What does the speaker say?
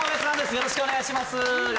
よろしくお願いします